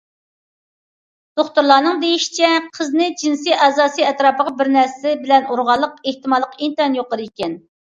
دوختۇرلارنىڭ دېيىشىچە قىزنىڭ جىنسىي ئەزاسى ئەتراپىغا بىر نەرسە بىلەن ئۇرغانلىق ئېھتىماللىقى ئىنتايىن يۇقىرى ئىكەن.